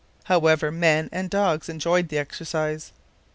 However, men and dogs enjoyed the exercise.